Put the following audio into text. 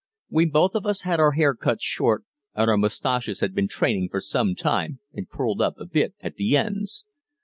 We both of us had our hair cut short, and our moustaches had been training for some time and curled up a bit at the ends.